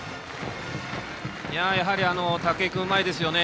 やはり武井君うまいですね。